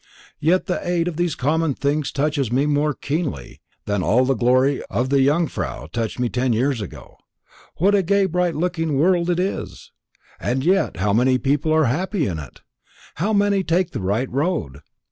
Yet the sight of these common things touches me more keenly than all the glory of the Jungfrau touched me ten years ago. What a gay bright looking world it is! And yet how many people are happy in it? how many take the right road?